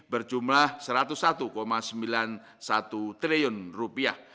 berjumlah satu ratus satu sembilan puluh satu triliun rupiah